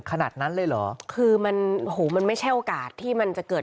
ขนาดนั้นเลยเหรอคือมันโหมันไม่ใช่โอกาสที่มันจะเกิด